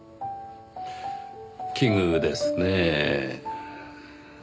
奇遇ですねぇ。